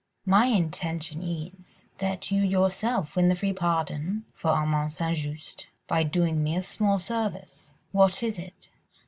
"My intention is, that you yourself win a free pardon for Armand St. Just by doing me a small service." "What is it?"